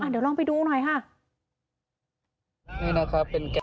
เดี๋ยวลองไปดูหน่อยค่ะ